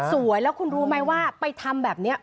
สวยแล้วคุณรู้ไหมว่าไปทำแบบนี้